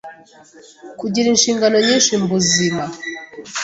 Kugira inshingano nyinshi mbuzima